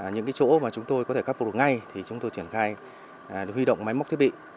những chỗ mà chúng tôi có thể khắc phục được ngay thì chúng tôi triển khai huy động máy móc thiết bị